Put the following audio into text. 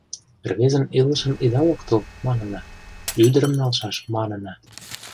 Рвезын илышыжым ида локтыл, манына, ӱдырым налшаш, манына.